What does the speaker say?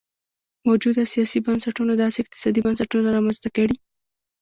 موجوده سیاسي بنسټونو داسې اقتصادي بنسټونه رامنځته کړي.